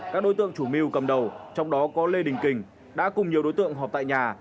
các đối tượng chủ mưu cầm đầu trong đó có lê đình kình đã cùng nhiều đối tượng họp tại nhà